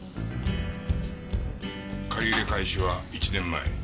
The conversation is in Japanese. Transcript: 借り入れ開始は１年前。